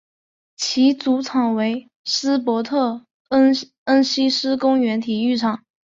其主场为斯特伯恩希思公园体育场。